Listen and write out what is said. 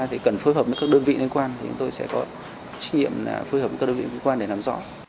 thì cần phối hợp với các đơn vị liên quan thì chúng tôi sẽ có trách nhiệm phối hợp với các đơn vị vũ quan để làm rõ